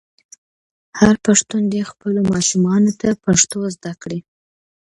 هر پښتون دې خپلو ماشومانو ته پښتو زده کړه.